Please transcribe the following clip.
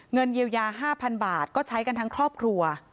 เงินเยียวยา๕๐๐๐บาทก็ใช้กันทั้งครอบครัว